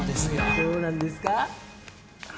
どうなんですか？